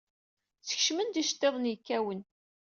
Ssekcem-d iceṭtiḍen yekkawen.